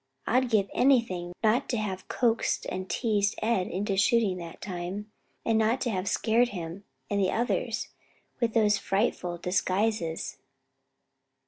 I'd give anything not to have coaxed and teased Ed into shooting that time, and not to have scared him and the others with those frightful disguises."